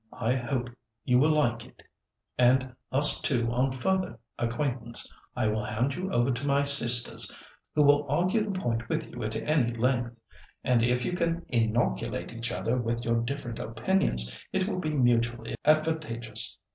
I hope you will like it, and us too on further acquaintance. I will hand you over to my sisters, who will argue the point with you at any length, and if you can inoculate each other with your different opinions, it will be mutually advantageous."